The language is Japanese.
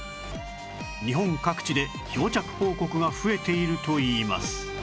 日本各地で漂着報告が増えているといいます